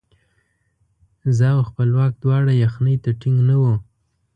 زه او خپلواک دواړه یخنۍ ته ټینګ نه وو.